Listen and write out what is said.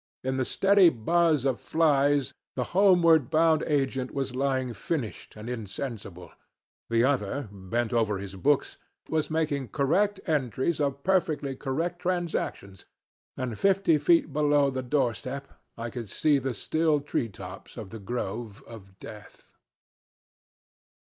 In the steady buzz of flies the homeward bound agent was lying flushed and insensible; the other, bent over his books, was making correct entries of perfectly correct transactions; and fifty feet below the doorstep I could see the still tree tops of the grove of death.